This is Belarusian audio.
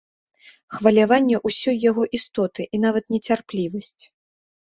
Хваляванне ўсёй яго істоты і нават нецярплівасць.